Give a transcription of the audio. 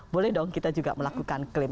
boleh dong kita juga melakukan klaim